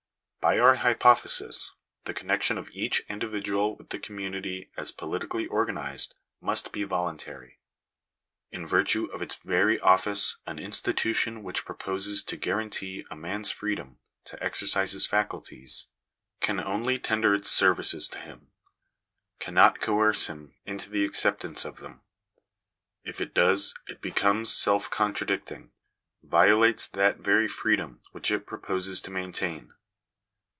By our hypothesis the connection of each individual with 'the community as politically organized, must be voluntary. tin virtue of its very office an institution which proposes to ^guarantee a man's freedom to exercise his faculties, can only Digitized by VjOOQIC THE DUTY OF THE STATE. 256 tender its services to him ; cannot coerce him into the accept ance of them. If it does it becomes self contradicting — vio | lates that very freedom which it proposes to maintain.